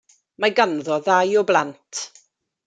Mae ganddo ddau o blant.